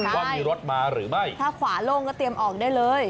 ว่ามีรถมาหรือไม่ถ้าขวาโล่งก็เตรียมออกได้เลย